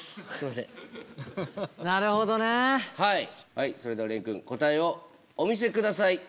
はいそれでは廉くん答えをお見せください。